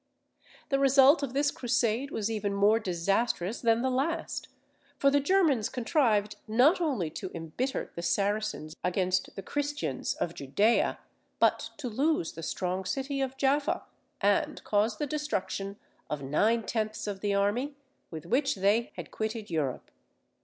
The result of this Crusade was even more disastrous than the last; for the Germans contrived not only to embitter the Saracens against the Christians of Judea, but to lose the strong city of Jaffa, and cause the destruction of nine tenths of the army with which they had quitted Europe.